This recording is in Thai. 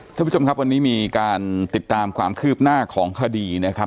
ท่านผู้ชมครับวันนี้มีการติดตามความคืบหน้าของคดีนะครับ